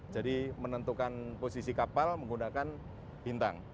jadi menentukan posisi kapal menggunakan bintang